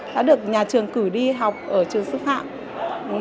đã được nhà trường cử đi học ở trường sư phạm